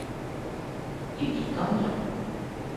乙型肝炎